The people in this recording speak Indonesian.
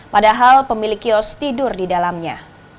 padahal pemilik kios tidur di dalamnya